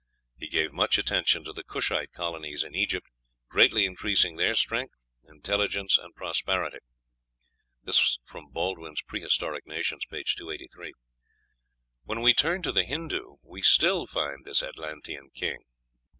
He gave much attention to the Cushite colonies in Egypt, greatly increasing their strength, intelligence, and prosperity." (Baldwin's "Prehistoric Nations," p. 283.) When we turn to the Hindoo we still find this Atlantean king.